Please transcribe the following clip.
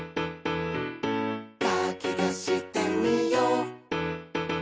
「かきたしてみよう」